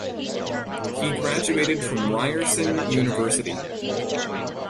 He graduated from Ryerson University.